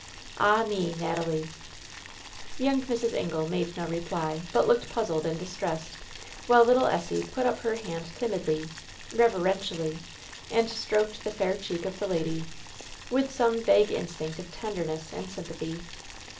Ah me, Natalie I" Foun^ Mrs. Ingle made no reply, but looked puzzled and distressed while little Essie put up her hand tim idly — ^reverentially, and stroked the fair cheek of the lady, with some vague instinct of tenderness and sym pathy.